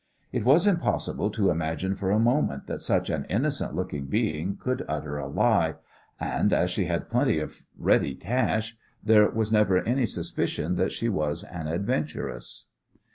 It was impossible to imagine for a moment that such an innocent looking being could utter a lie, and, as she had plenty of ready cash, there was never any suspicion that she was an adventuress.